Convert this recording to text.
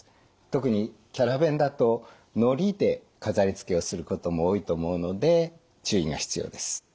特にキャラ弁だとのりで飾りつけをすることも多いと思うので注意が必要です。